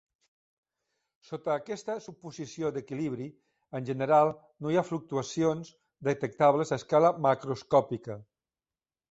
Sota aquesta suposició d'equilibri, en general, no hi ha fluctuacions detectables a escala macroscòpica.